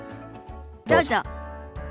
どうぞ。